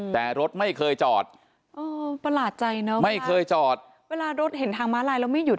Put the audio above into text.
แต่รถไม่เคยจอดไม่เคยจอดเวลารถเห็นทางมาลายแล้วไม่ยุด